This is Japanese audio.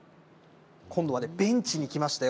今度はね、ベンチに来ましたよ。